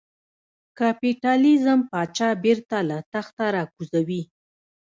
کاپیتالېزم پاچا بېرته له تخته را کوزوي.